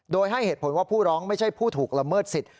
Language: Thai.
โดยให้เหตุผลว่าผู้ร้องไม่ใช่ผู้ถูกละเมิดสิทธิ